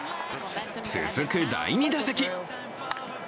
続く第２打席。